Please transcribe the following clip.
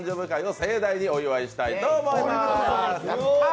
盛大にお祝いしたいと思います！